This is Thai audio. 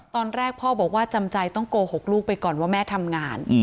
ตอนแรกพ่อบอกว่าจำใจต้องโกหกลูกไปก่อนว่าแม่ทำงาน